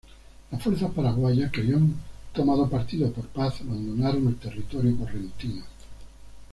Las fuerzas paraguayas, que habían tomado partido por Paz, abandonaron el territorio correntino.